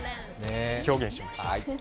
表現しました。